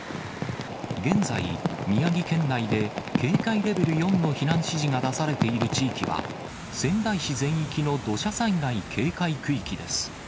現在、宮城県内で警戒レベル４の避難指示が出されている地域は、仙台市全域の土砂災害警戒区域です。